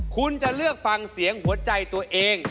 คุณจะเลือกฟังเสียงหัวใจตัวเอง